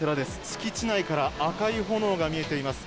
敷地内から赤い炎が見えています。